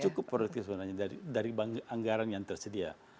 cukup produktif sebenarnya dari anggaran yang tersedia